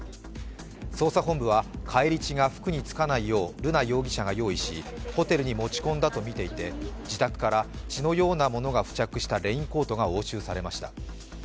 捜査本部は、返り血が服につかないよう瑠奈容疑者が用意し、ホテルに持ち込んだとみていて自宅から血のようなものが付着したレインコートが押収されました